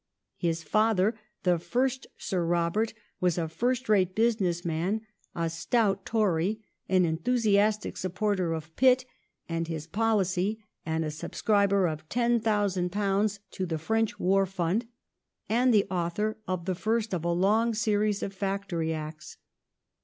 His father, the first Sir Robert, was a first rate business man, a stout Tory, an enthusiastic supporter of Pitt and his policy, a subscriber of £10,000 to the French War Fund, and the author of the first of a long series of Factory Acts.